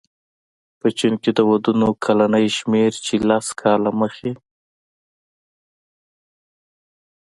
په چین کې د ودونو کلنی شمېر چې لس کاله مخې